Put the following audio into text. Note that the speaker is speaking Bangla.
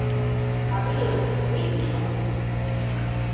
ভাবিল, এ কি স্বপ্ন।